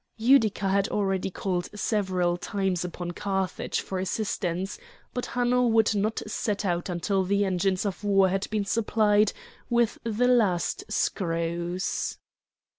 Utica had already called several times upon Carthage for assistance; but Hanno would not set out until the engines of war had been supplied with the last screws.